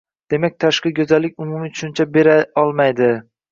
Demak, tashqi go`zallik umumiy tushuncha bera olmaydi